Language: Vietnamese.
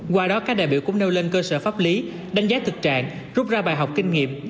qua đó các đại biểu cũng nêu lên cơ sở pháp lý đánh giá thực trạng rút ra bài học kinh nghiệm